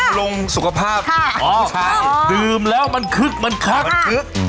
มันบันลงสุขภาพผู้ใจดื่มแล้วมันคลึกมันคลับ